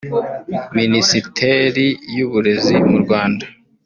Minisiteri y’uburezi mu Rwanda